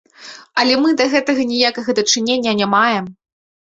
Але мы да гэтага ніякага дачынення не маем.